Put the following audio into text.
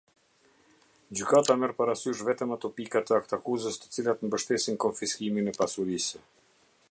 Gjykata merr parasysh vetëm ato pika të aktakuzës të cilat mbështesin konfiskimin e pasurisë.